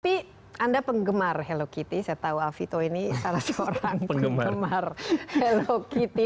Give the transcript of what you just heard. tapi anda penggemar hello kitty saya tahu alvito ini salah seorang penggemar hello kitty